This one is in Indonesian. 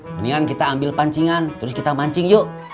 mendingan kita ambil pancingan terus kita mancing yuk